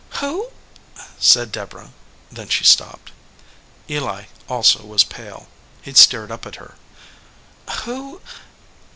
"Who ?" said Deborah. Then she stopped. Eli also was pale. He stared up at her. "Who